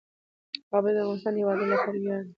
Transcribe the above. کابل د افغانستان د هیوادوالو لپاره ویاړ دی.